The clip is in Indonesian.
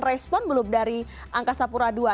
respon belum dari angkasa pura ii